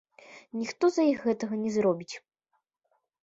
Ніхто за іх гэтага не зробіць.